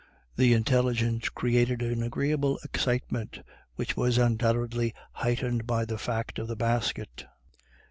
The intelligence created an agreeable excitement, which was undoubtedly heightened by the fact of the basket.